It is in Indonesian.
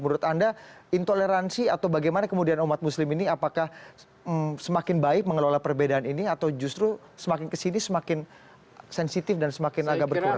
menurut anda intoleransi atau bagaimana kemudian umat muslim ini apakah semakin baik mengelola perbedaan ini atau justru semakin kesini semakin sensitif dan semakin agak berkurang